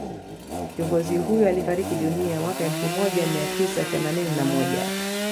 Kiongozi huyo alifariki dunia mwaka elfu moja mia tisa themanini na moja